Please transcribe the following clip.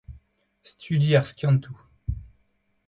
Studi ar skiantoù.